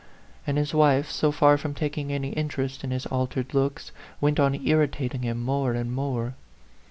And his wife, so far from taking any interest in his altered looks, went on irritating him more and more.